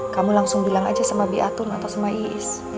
kamu langsung bilang aja sama biatun atau sama iis